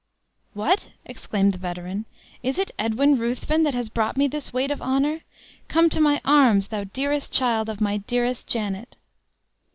"What!" exclaimed the veteran, "is it Edwin Ruthven that has brought me this weight of honor? Come to my arms, thou dearest child of my dearest Janet?"